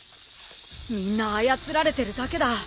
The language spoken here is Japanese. みんな操られてるだけだ。